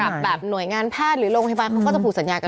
การให้การอำนวยงานหรือโรงคิดทางไว้ใช้ก็จะถูกสัญญากันไว้